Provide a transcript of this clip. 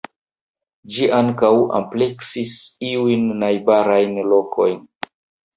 Ĝi ankaŭ ampleksis iujn najbarajn lokojn.